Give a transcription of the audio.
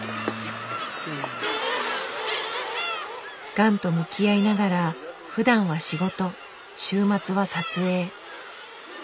がんと向き合いながらふだんは仕事週末は撮影。